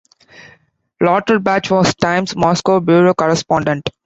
Lauterbach was "Time's" Moscow bureau correspondent.